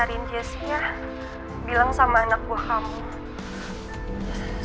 kalian dong yang udah sarang sarang sama anak buah kamu